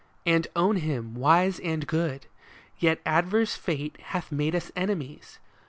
And own him wise and good. Yet adverse fate Hath made us enemies.